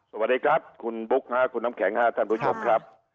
สวัสดีครับคุณบุ๊คคุณน้ำแข็งค่ะท่านผู้ชมครับ